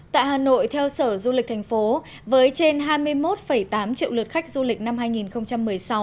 tại hà nội theo sở du lịch thành phố với trên hai mươi một tám triệu lượt khách du lịch năm hai nghìn một mươi sáu